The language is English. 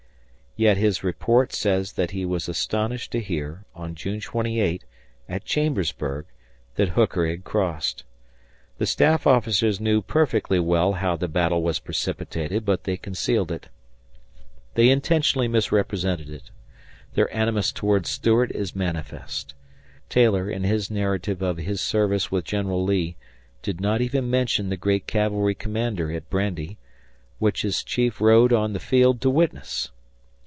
Yet his report says that he was astonished to hear, on June 28, at Chambersburg, that Hooker had crossed. The staff officers knew perfectly well how the battle was precipitated, but they concealed it. They intentionally misrepresented it. Their animus towards Stuart is manifest. Taylor, in his narrative of his service with General Lee, did not even mention the great cavalry combat at Brandy, which his chief rode on the field to witness.